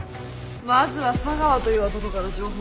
まずは佐川という男から情報を引き出す。